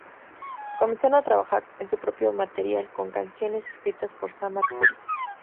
Comenzaron a trabajar en su propio material con canciones escritas por Samar Puri.